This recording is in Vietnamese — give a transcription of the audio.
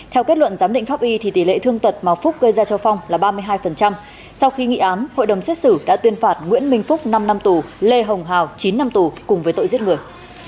theo kết luận giám định pháp y thì tỷ lệ thương tật mà phúc gây ra cho phong là ba mươi hai sau khi nghị án hội đồng xét xử đã tuyên phạt nguyễn minh phúc năm năm tù lê hồng hào chín năm tù cùng với tội giết người